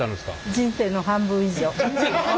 人生の半分以上。